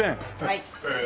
はい。